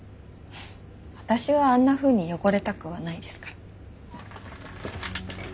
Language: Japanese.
私はあんなふうに汚れたくはないですから。